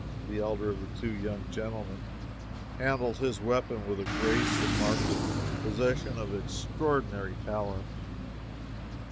The elder of the two young gentlemen handled his weapon with a grace that marked the possession of extraordinary talent.